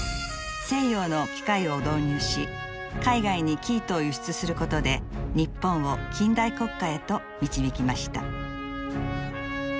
西洋の機械を導入し海外に生糸を輸出することで日本を近代国家へと導きました。